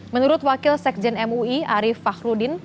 menurut wakil sekjen mui arief fakhrudin